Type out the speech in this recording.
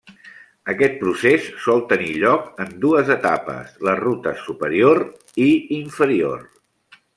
Aquest procés sol tenir lloc en dues etapes, les rutes superior i inferior.